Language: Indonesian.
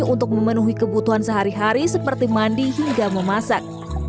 untuk memenuhi kebutuhan sehari hari seperti mandi hingga memasak